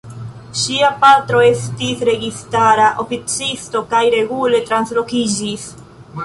Ŝia patro estis registara oficisto kaj regule translokiĝis.